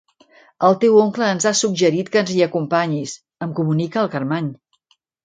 El teu oncle ens ha suggerit que ens hi acompanyis —em comunica el Carmany.